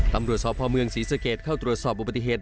ตำรวจสพเมืองศรีสเกตเข้าตรวจสอบอุบัติเหตุ